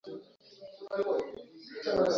Muntu anapasha kulala saha nane busiku kwa kawaida